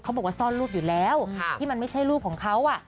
เขาบอกว่าสรรุพอยู่แล้วที่มันไม่ใช่รูปของเขาอ่ะ